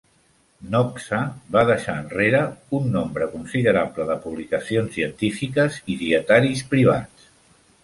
Nopcsa va deixar enrere un nombre considerable de publicacions científiques i dietaris privats.